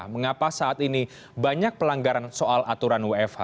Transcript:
mengapa saat ini banyak pelanggaran soal aturan wfa